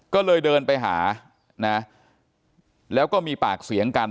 ก็เลยเดินไปหานะแล้วก็มีปากเสียงกัน